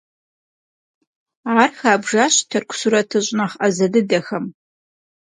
Ар хабжащ тырку сурэтыщӀ нэхъ Ӏэзэ дыдэхэм.